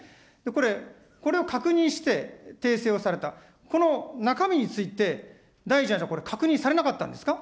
これ、これを確認して訂正をされた、この中身について、大臣はこれ、確認されなかったんですか。